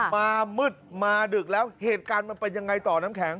มามืดมาดึกแล้วเหตุการณ์มันเป็นยังไงต่อน้ำแข็ง